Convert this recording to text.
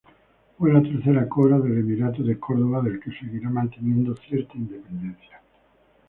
Fue la tercera cora del emirato de Córdoba, del que seguirá manteniendo cierta independencia.